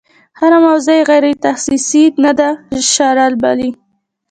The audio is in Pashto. هره موضوع یې غیر تخصصي نه ده شاربلې.